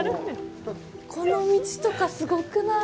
この道とかすごくない？